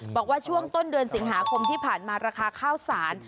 บอกว่าช่วงต้นเดือนสิงหาคมที่ผ่านมาราคาข้าวสาร